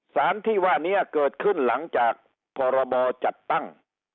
สารที่ว่านี้เกิดขึ้นหลังจากพรบจัดตั้ง